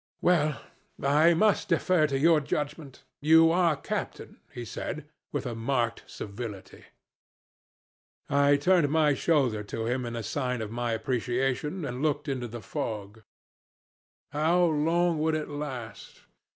'Well, I must defer to your judgment. You are captain,' he said, with marked civility. I turned my shoulder to him in sign of my appreciation, and looked into the fog. How long would it last?